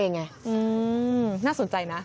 น่าสนใจนะ